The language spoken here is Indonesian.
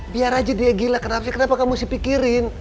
biar aja dia gila kenapa sih kenapa kamu harus dipikirin